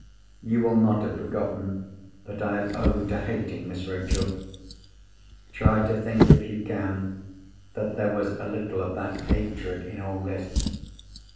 You will not have forgotten that I have owned to hating Miss Rachel. Try to think, if you can, that there was a little of that hatred in all this.